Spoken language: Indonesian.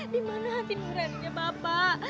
di mana hati murahnya bapak